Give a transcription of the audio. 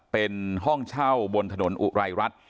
เป็นห้องเช่าบนถนนอุไรรัฐ